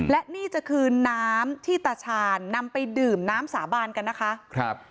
และนี่จะคือน้ำที่ตาชาญนำไปดื่มน้ำสาบานกันนะคะครับ